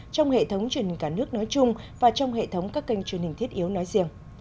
trong hệ thống truyền hình cả nước nói chung và trong hệ thống các kênh truyền hình thiết yếu nói riêng